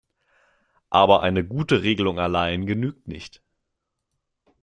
Aber eine gute Regelung allein genügt nicht.